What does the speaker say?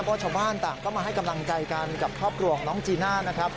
เพราะชาวบ้านต่างก็มาให้กำลังใจกันกับครอบครัวของน้องจีน่านะครับ